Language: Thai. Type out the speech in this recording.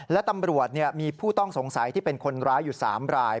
และตำรวจมีผู้ต้องสงสัยที่เป็นคนร้ายอยู่๓ราย